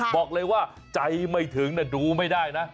บอกเลยว่าใจไม่ถึงดูไม่ได้นะ